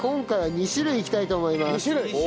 ２種類？